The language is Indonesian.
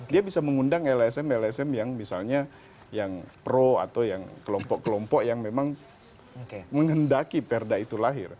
dia bisa mengundang lsm lsm yang misalnya yang pro atau yang kelompok kelompok yang memang menghendaki perda itu lahir